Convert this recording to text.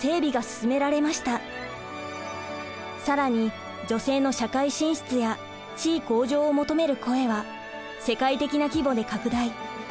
更に女性の社会進出や地位向上を求める声は世界的な規模で拡大。